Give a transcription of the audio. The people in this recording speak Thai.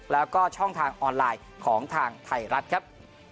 แล้วก็ช่องทางออนไลน์ของทางไทยรัฐครับ